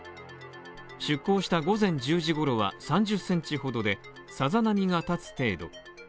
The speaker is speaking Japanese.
出航した午前１０時ごろは３０センチほどで、さざ波が立つ程度。